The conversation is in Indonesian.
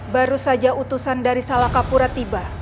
baru saja utusan dari salakapura tiba